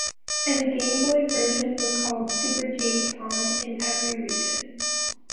And the Game Boy version was called "Super James Pond" in every region.